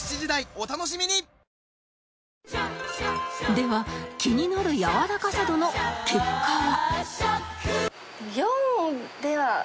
では気になるやわらかさ度の結果は